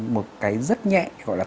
một cái rất nhẹ gọi là